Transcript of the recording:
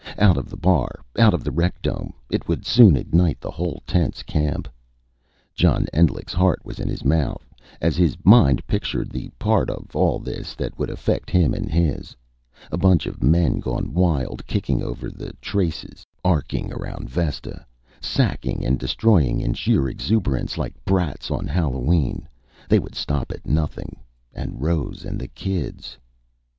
Out of the bar. Out of the rec dome. It would soon ignite the whole tense camp. John Endlich's heart was in his mouth, as his mind pictured the part of all this that would affect him and his. A bunch of men gone wild, kicking over the traces, arcing around Vesta, sacking and destroying in sheer exuberance, like brats on Hallowe'en. They would stop at nothing. And Rose and the kids....